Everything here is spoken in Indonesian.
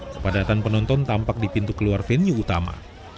kepadatan penonton tampak di pintu keluar venue utama